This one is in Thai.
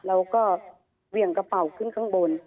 เราก็เหวี่ยงกระเป๋าขึ้นข้างบน